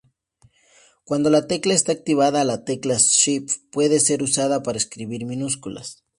Cuando la tecla está activada, la tecla "shift" puede ser usada para escribir minúsculas.